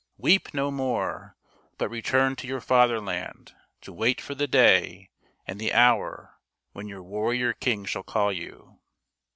Weep no more ; but return to your fatherland to wait for the day and the hour when your warrior king shall call you